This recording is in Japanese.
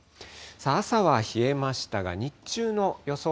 朝は冷えましたが、日中の予想